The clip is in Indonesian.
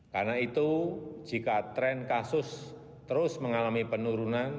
karena itu jika tren kasus terus mengalami penurunan